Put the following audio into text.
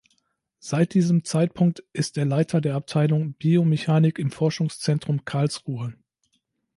Seit diesem Zeitpunkt ist er Leiter der Abteilung Biomechanik im Forschungszentrum Karlsruhe.